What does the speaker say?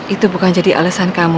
itu bukan jadi alasan kamu